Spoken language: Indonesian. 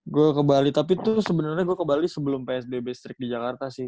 gue ke bali tapi tuh sebenarnya gue ke bali sebelum psbb strik di jakarta sih